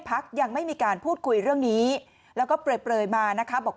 พักยังไม่มีการพูดคุยเรื่องนี้แล้วก็เปลยมานะคะบอก